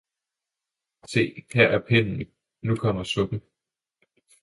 see her er Pinden, nu kommer Suppen!